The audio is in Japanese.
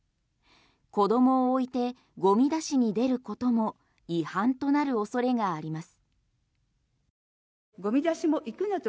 子どもを置いてゴミ出しに出ることも違反となる恐れがあります。